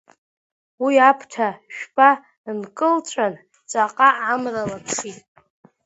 Ус аԥҭа жәпа нкылҵәан, ҵаҟа амра лаԥшит.